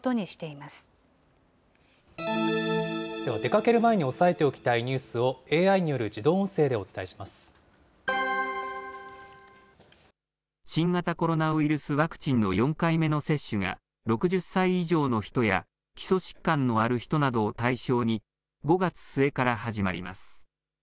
きょう、出かける前に押さえておきたいニュースをＡＩによる自動音声でお新型コロナウイルスワクチンの４回目の接種が、６０歳以上の人や、基礎疾患のある人などを対象に、５月末から始まります。